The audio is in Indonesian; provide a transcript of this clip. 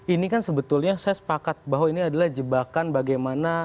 ini kan sebetulnya saya sepakat bahwa ini adalah jebakan bagaimana